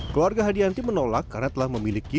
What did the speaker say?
keluarga hadianti menolak karena telah memiliki